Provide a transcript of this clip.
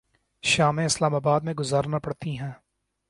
شامیں Islamabad میں گزارنا پڑتی ہیں۔